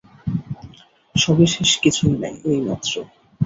সবিশেষ কিছুই নাই, এই মাত্র।